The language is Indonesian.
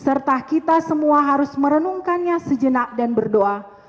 serta kita semua harus merenungkannya sejenak dan berdoa